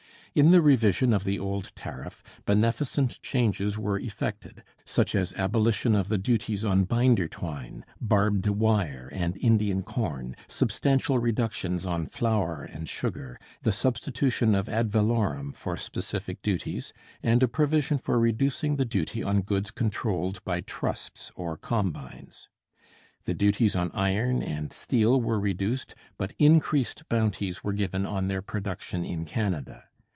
In the revision of the old tariff beneficent changes were effected, such as abolition of the duties on binder twine, barbed wire, and Indian corn, substantial reductions on flour and sugar, the substitution of ad valorem for specific duties, and a provision for reducing the duty on goods controlled by trusts or combines. The duties on iron and steel were reduced, but increased bounties were given on their production in Canada.